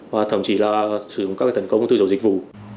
và thậm chí là sử dụng các cái tấn công từ dầu dịch vụ